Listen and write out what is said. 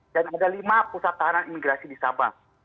dan ada lima pusat tahanan imigrasi di sabang